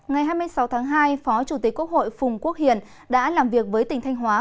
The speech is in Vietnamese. ngày hai mươi sáu tháng hai phó chủ tịch quốc hội phùng quốc hiền đã làm việc với tỉnh thanh hóa